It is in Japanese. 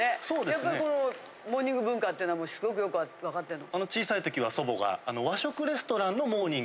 やっぱりこのモーニング文化っていうのはすごくよくわかってるの？